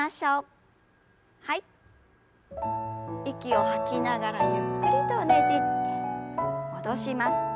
息を吐きながらゆっくりとねじって戻します。